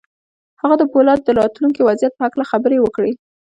هغه د پولادو د راتلونکي وضعيت په هکله خبرې وکړې.